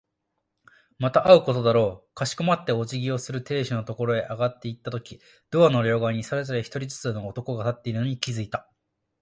また会うことだろう。かしこまってお辞儀をする亭主のところへ上がっていったとき、ドアの両側にそれぞれ一人ずつの男が立っているのに気づいた。